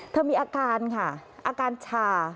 มีอาการค่ะอาการชา